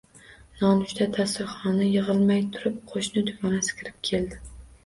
Nonushta dasturxoni yigʻilmay turib qoʻshni dugonasi kirib keldi